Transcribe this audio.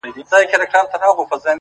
د ژوندون نور وړی دی اوس په مدعا يمه زه،